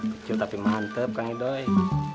kecil tapi mantep kang ini doi